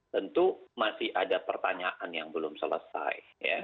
tentu masih ada pertanyaan yang belum selesai